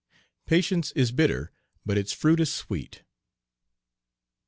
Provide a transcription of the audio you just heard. "Patience is bitter, but its fruit is sweet."